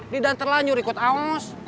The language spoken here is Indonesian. di danterlanjur ikut aos